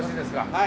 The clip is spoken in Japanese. はい。